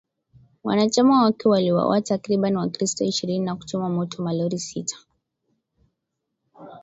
Wanachama wake waliwauwa takribani wakristo ishirini na kuchoma moto malori sita